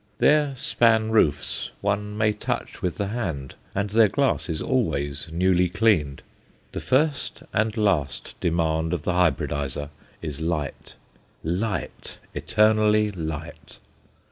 Their span roofs one may touch with the hand, and their glass is always newly cleaned. The first and last demand of the hybridizer is light light eternally light.